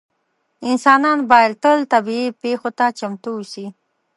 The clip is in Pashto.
انسانان باید تل طبیعي پېښو ته چمتو اووسي.